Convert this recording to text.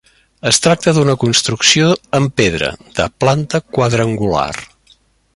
Es tracta d'una construcció en pedra, de planta quadrangular.